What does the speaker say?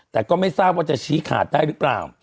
แต่ก็ไม่ทราบว่าจะชี้ขาดได้หรือเปล่า